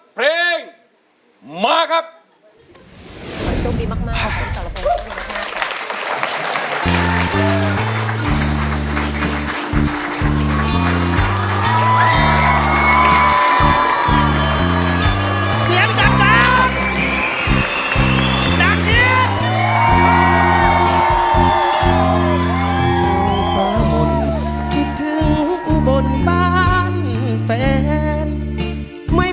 เพลงมาครับโชคดีมากขอบคุณสรพงศ์